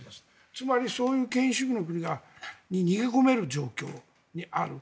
つまり、そういう権威主義の国に逃げ込める状況にある。